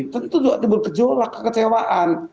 tentu juga diberkejolak kekecewaan